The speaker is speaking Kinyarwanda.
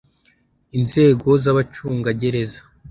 inzego z’abacungagereza